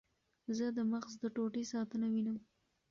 زه د مغز د ټوټې ساتنه وینم.